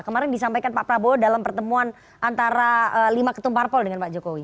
kemarin disampaikan pak prabowo dalam pertemuan antara lima ketumparpol dengan pak jokowi